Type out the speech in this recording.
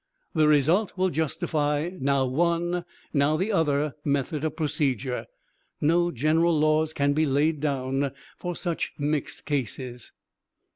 The result will justify now one, now the other method of procedure; no general laws can be laid down for such mixed cases.